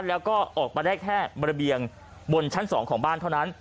แล้วก็ออกมาได้แค่ระเบียงบนชั้น๒ของบ้านเท่านั้น